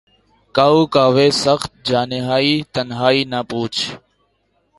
کاؤ کاوِ سخت جانیہائے تنہائی، نہ پوچھ